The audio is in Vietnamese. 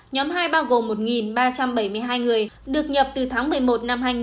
nhóm hai gồm một ba trăm bảy mươi hai người được nhập từ tháng một mươi một năm hai nghìn hai mươi đến tháng một